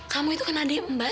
kamu itu kan adik mbak